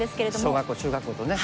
小学校中学校とね。